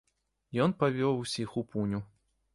Ён павёў усіх у пуню.